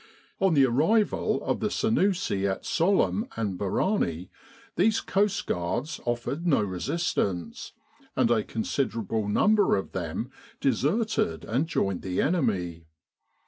On the arrival of the Sennussi at Sollum and Barani, these Coastguards offered no resistance, and a considerable number of them deserted and joined the enemy.